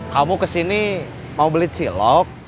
kamu ke sini mau beli cilok